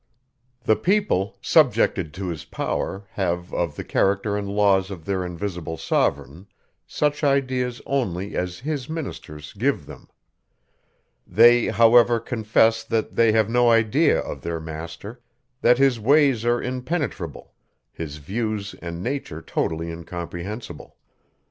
The people, subjected to his power, have, of the character and laws of their invisible sovereign, such ideas only, as his ministers give them. They, however, confess, that they have no idea of their master; that his ways are impenetrable; his views and nature totally incomprehensible.